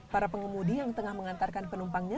para pengemudi yang tengah mengantarkan penumpangnya